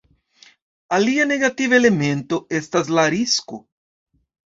Alia negativa elemento estas la risko.